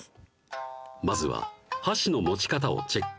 まずは箸の持ち方をチェック